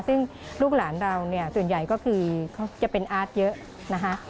ซึ่งลูกหลานเราเนี่ยส่วนใหญ่ก็คือเขาจะเป็นอาร์ตเยอะนะคะ